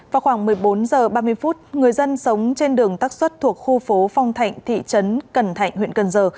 vào khoảng một mươi bốn h ba mươi phút người dân sống trên đường tắc xuất thuộc khu phố phong thạnh thị trấn cần thạnh huyện cần giờ